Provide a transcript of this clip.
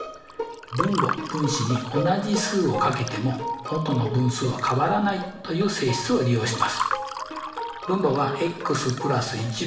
分母分子に同じ数をかけても元の分数は変わらないという性質を利用します。